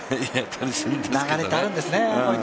流れってあるんですね。